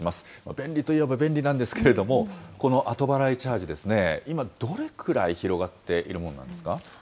便利といえば便利なんですけれども、この後払いチャージですね、今、どれくらい広がっているものなんですか。